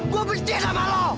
gue berhenti sama lo